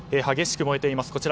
激しく燃えています。